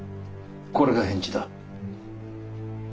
これが返事だ。